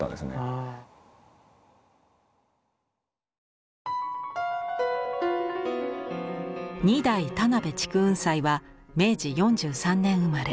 何かその二代田辺竹雲斎は明治４３年生まれ。